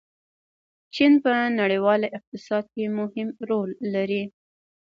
چین په نړیواله اقتصاد کې مهم رول لري.